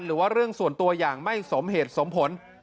หรือว่าเรื่องส่วนตัวอย่างไม่สมเหตุสมผล